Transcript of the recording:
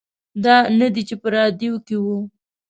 دا نه دی چې په راډیو کې و.